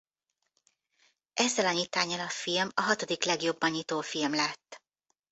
Ezzel a nyitánnyal a film a hatodik legjobban nyitó film lett.